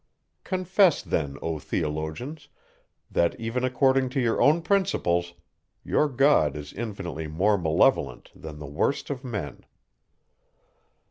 Confess then, O theologians, that, even according to your own principles, your God is infinitely more malevolent than the worst of men.